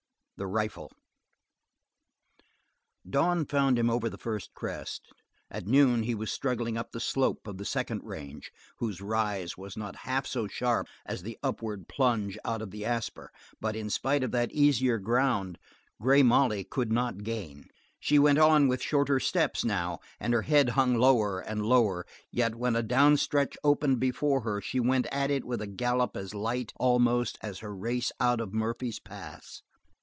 The Rifle Dawn found him over the first crest; at noon he was struggling up the slope of the second range, whose rise was not half so sharp as the upward plunge out of the Asper, but in spite of that easier ground Grey Molly could not gain. She went with shorter steps, now, and her head hung lower and lower, yet when a down stretch opened before her she went at it with a gallop as light, almost, as her race out of Murphy's Pass.